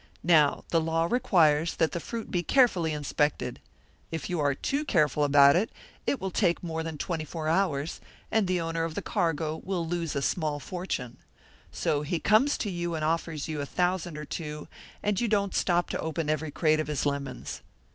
Now the law requires that the fruit be carefully inspected. If you are too careful about it, it will take more than twenty four hours, and the owner of the cargo will lose a small fortune. So he comes to you and offers you a thousand or two, and you don't stop to open every crate of his lemons.'